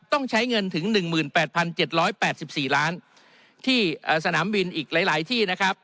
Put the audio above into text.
ต้องใช้เงินถึงหนึ่งหมื่นแปดพันเจ็ดร้อยแปดสิบสี่ล้านที่สนามบินอีกหลายหลายที่นะครับ